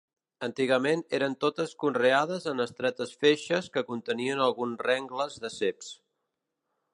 Antigament eren totes conreades en estretes feixes que contenien alguns rengles de ceps.